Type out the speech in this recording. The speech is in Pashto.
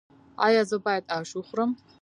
ایا زه باید اش وخورم؟